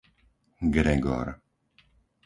Gregor